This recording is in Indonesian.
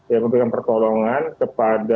ya memberikan pertolongan kepada